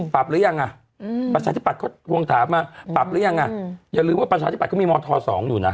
ปรับหรือยังอ่ะอืมปรับหรือยังอ่ะอย่าลืมว่าปัญชาธิปัตย์ก็มีมศ๒อยู่น่ะ